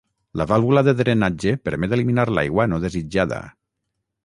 La vàlvula de drenatge permet eliminar l’aigua no desitjada.